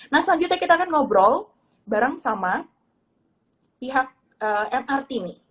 nah selanjutnya kita akan ngobrol bareng sama pihak mrt nih